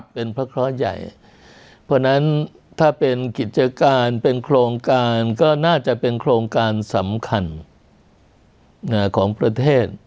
เป็นพระเคราะห์ใหญ่เพราะฉะนั้นถ้าเป็นกิจการเป็นโครงการก็น่าจะเป็นโครงการสำคัญของประเทศ